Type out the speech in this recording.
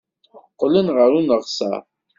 Qqlen ɣer uneɣsar.